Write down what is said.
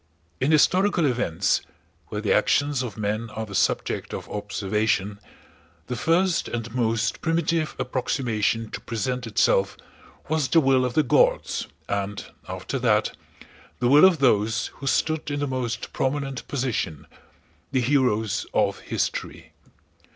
In historical events (where the actions of men are the subject of observation) the first and most primitive approximation to present itself was the will of the gods and, after that, the will of those who stood in the most prominent position—the heroes of history.